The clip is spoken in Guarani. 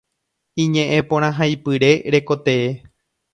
Iñe'ẽporãhaipyre rekotee.